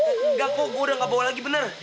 engga kok gue udah gak bawa lagi bener